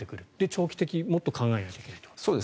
長期的にもっと考えないといけないと。